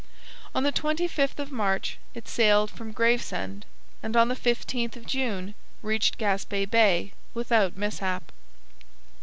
On the 25th of March it sailed from Gravesend, and on the 15th of June reached Gaspe Bay without mishap.